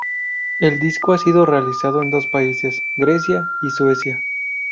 El disco ha sido realizado en dos países, Grecia y Suecia.